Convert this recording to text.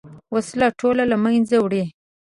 وسله ټولنه له منځه وړي